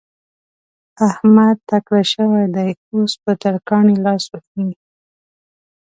احمد تکړه شوی دی؛ اوس په ترکاڼي لاس وهي.